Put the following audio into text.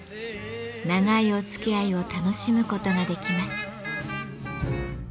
長いおつきあいを楽しむことができます。